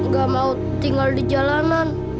gak mau tinggal di jalanan